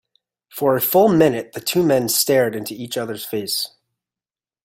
For a full minute the two men stared into each other's face.